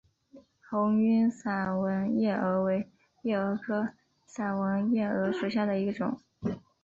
红晕散纹夜蛾为夜蛾科散纹夜蛾属下的一个种。